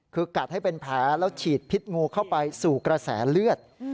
คือกัดให้เป็นแผลแล้วฉีดพิษงูเข้าไปสู่กระแสเลือด